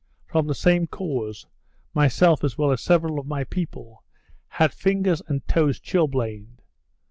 From the same cause, myself as well as several of my people, had fingers and toes chilblained.